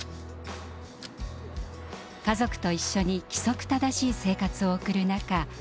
家族と一緒に規則正しい生活を送る中